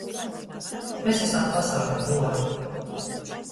Mes asam pasauļa pluovi.